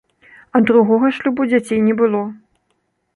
Ад другога шлюбу дзяцей не было.